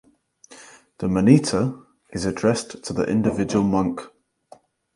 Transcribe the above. The "Monita" is addressed to the individual monk.